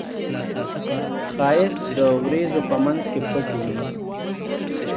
ښایست د وریځو په منځ کې پټ وي